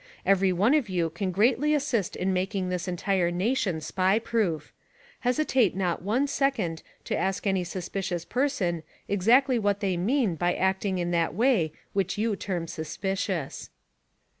Every one of you can greatly assist in making this entire nation SPY proof. Hesitate not one second to ask any suspicious person exactly what they mean by acting in that way which you term suspicious.